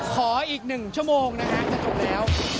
ขออีก๑ชั่วโมงนะฮะจะจบแล้ว